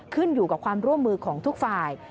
ขึ้นอยู่กับความร่วมมือของทุกฝ่าย